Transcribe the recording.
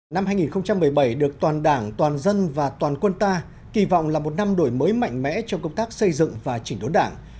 năm hai nghìn một mươi bảy được toàn đảng toàn dân và toàn quân ta kỳ vọng là một năm đổi mới mạnh mẽ trong công tác xây dựng và chỉnh đốn đảng